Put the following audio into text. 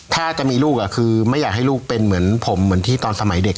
ถ้าจะมีลูกคือไม่อยากให้ลูกเป็นเหมือนผมเหมือนที่ตอนสมัยเด็ก